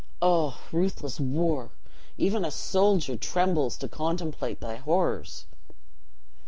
Oh, ruthless war! even a soldier trembles to contemplate thy horrors."